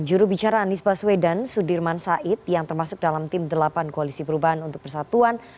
jurubicara anies baswedan sudirman said yang termasuk dalam tim delapan koalisi perubahan untuk persatuan